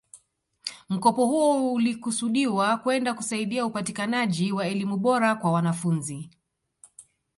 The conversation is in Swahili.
Mkopo huo ulikusudiwa kwenda kusaidia upatikanaji wa elimu bora kwa wanafunzi